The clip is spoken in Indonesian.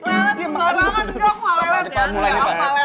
lelet enggak lama juga aku lelet